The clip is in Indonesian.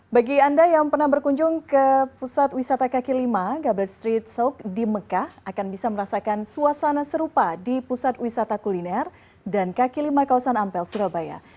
bagi anda yang pernah berkunjung ke pusat wisata kaki lima gaber street soek di mekah akan bisa merasakan suasana serupa di pusat wisata kuliner dan kaki lima kawasan ampel surabaya